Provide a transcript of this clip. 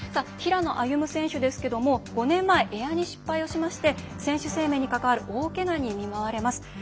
平野歩夢選手ですけれども５年前、エアに失敗をしまして選手生命に関わる大けがに見舞われます。